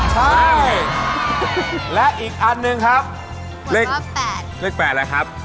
ใช่และอีกอันหนึ่งครับว่าว่าแปดเลขแปดอะไรครับ